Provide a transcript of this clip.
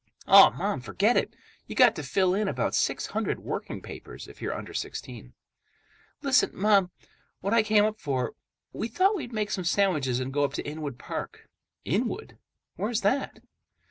"Aw, Mom, forget it! You got to fill in about six hundred working papers if you're under sixteen. "Listen, Mom, what I came up for—we thought we'd make some sandwiches and go up to Inwood Park." "Inwood? Where's that?"